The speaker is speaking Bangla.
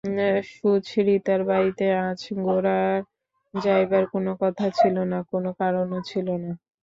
সুচরিতার বাড়িতে আজ গোরার যাইবার কোনো কথা ছিল না, কোনো কারণও ছিল না।